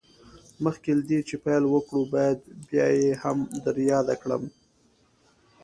مخکې له دې چې پيل وکړو بايد بيا يې هم در ياده کړم.